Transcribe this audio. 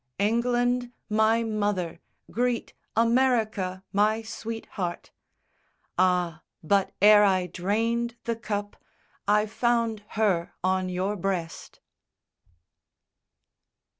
England, my mother, greet America, my sweetheart: Ah, but ere I drained the cup I found her on your breast.